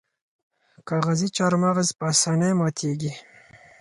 کاغذي چهارمغز په اسانۍ ماتیږي.